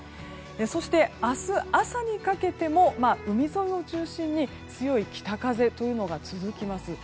そして明日朝にかけても海沿いを中心に強い北風というのが続きます。